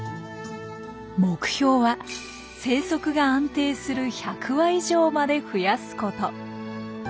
目標は生息が安定する１００羽以上まで増やすこと。